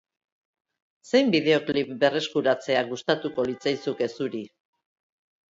Zein bideoklip berreskuratzea gustatuko litzaizuke zuri?